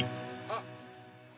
あっ！